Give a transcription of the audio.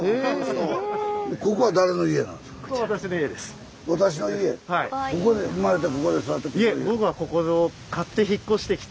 ここで生まれてここで育った。